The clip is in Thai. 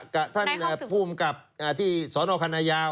กับท่านผู้อำกับที่สนคันไนยาว